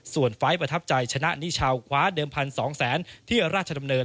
ส่วนไฟล์ประทับใจชนะนิชาวคว้าเดิมพันสองแสนที่ราชดำเนิน